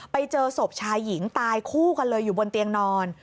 ไปเจอศพชายหญิงตายคู่กันเลยอยู่บนเตียงนอน